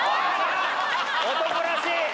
男らしい！